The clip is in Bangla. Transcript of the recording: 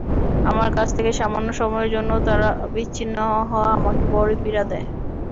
আমার কাছ থেকে সামান্য সময়ের জন্যেও তার বিচ্ছিন্ন হওয়া আমাকে বড়ই পীড়া দেয়।